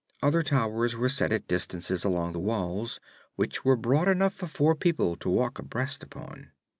Other towers were set at distances along the walls, which were broad enough for four people to walk abreast upon.